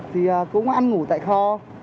thì cũng ăn ngủ tại kho